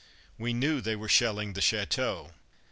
We knew they were shelling the chateau.